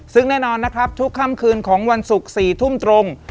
ซึ่งแน่นอนนะครับทุกค่ำคืนของวันศุกร์๔ทุ่มตรง